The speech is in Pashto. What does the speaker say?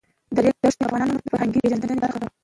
د ریګ دښتې د افغانانو د فرهنګي پیژندنې برخه ده.